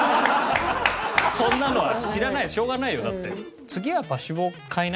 そんなのは知らないしょうがないよだって。